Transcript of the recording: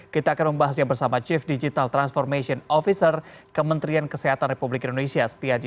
kita akan membahasnya bersama chief digital transformation officer kementerian kesehatan republik indonesia setiaji